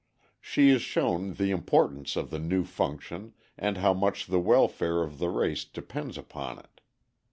She is shown the importance of the new function, and how much the welfare of the race depends upon it.